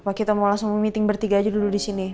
pak kita mau langsung meeting bertiga aja dulu disini